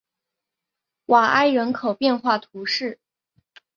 瓦埃人口变化图示